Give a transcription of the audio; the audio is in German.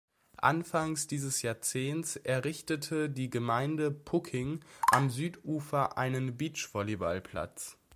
Anfang dieses Jahrzehnts errichtete die Gemeinde Pucking am Südufer einen Beachvolleyballplatz.